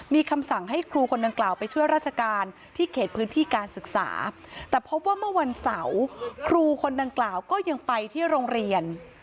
มีคำสั่งให้ครูคนดังกล่าวไปช่วยราชการที่เขตพื้นที่การศึกษาแต่พบว่าเมื่อวันเสาร์ครูคนดังกล่าวก็ยังไปที่โรงเรียน